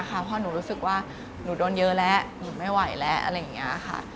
เพราะหนูรู้สึกว่าหนูโดนเยอะแล้วหนูไม่ไหวแล้วอะไรอย่างนี้ค่ะ